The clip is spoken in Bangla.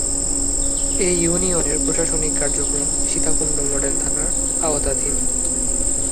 এ ইউনিয়নের প্রশাসনিক কার্যক্রম সীতাকুণ্ড মডেল থানার আওতাধীন।